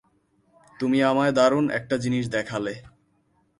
তুমি আমায় দারুণ একটা জিনিস দেখালে।